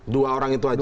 dua orang itu aja